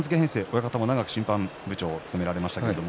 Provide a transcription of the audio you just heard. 親方も長く審判部長を務めていました。